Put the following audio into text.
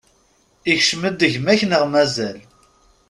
Ikcem-d gma-k neɣ mazal?